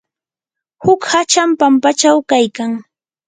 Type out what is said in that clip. huk hacham pampachaw kaykan.